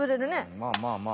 まあまあまあ。